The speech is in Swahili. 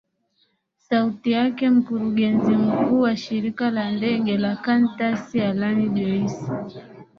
sauti yake mkurugenzi mkuu wa shirika la ndege la kantas alan joyce